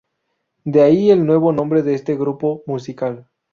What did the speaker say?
De ahí el nuevo nombre de este grupo musical.